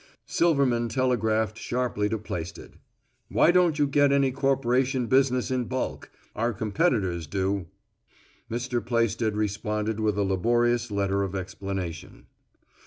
Silverman telegraphed sharply to Plaisted, "Why don't you get any corporation business in bulk! Our competitors do." Mr. Plaisted responded with a laborious letter of explanation.